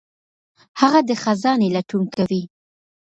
هغه د خزانې لټون کوي.